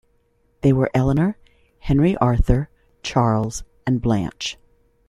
They were Eleanor, Henry Arthur, Charles, and Blanche.